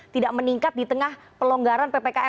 tidak meningkat di tengah pelonggaran ppkm